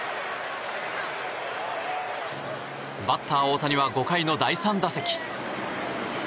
バッター大谷は５回の第３打席。